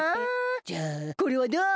じゃあこれはどう？